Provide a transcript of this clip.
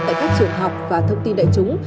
tại các trường học và thông tin đại chúng